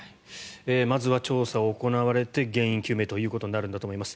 まずは調査が行われて原因究明になるんだと思います。